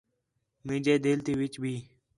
مینجے دِل تے وِچ بھی